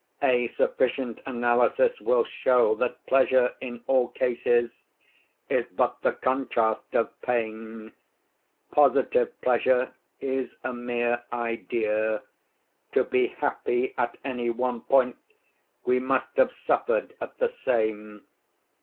A sufficient analysis will show that pleasure, in all cases, is but the contrast of pain. Positive pleasure is a mere idea. To be happy at any one point we must have suffered at the same.